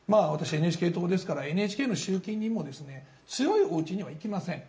ＮＨＫ党ですから、ＮＨＫの集金も強いおうちには行きません。